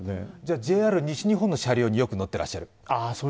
ＪＲ西日本の車両によく乗ってらっしゃる。